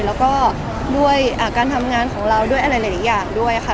แล้วก็ด้วยการทำงานของเราด้วยอะไรหลายอย่างด้วยค่ะ